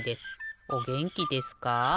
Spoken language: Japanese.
おげんきですか？